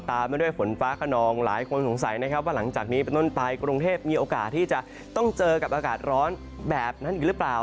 มาด้วยฝนฟ้าขนองหลายคนสงสัยนะครับว่าหลังจากนี้เป็นต้นไปกรุงเทพมีโอกาสที่จะต้องเจอกับอากาศร้อนแบบนั้นอีกหรือเปล่า